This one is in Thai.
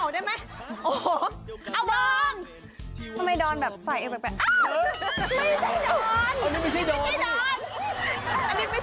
แรงนะทำไมเหมือนคุณชนะเอาหน้าออกได้ไหม